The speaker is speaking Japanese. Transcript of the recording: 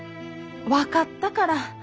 ☎分かったから。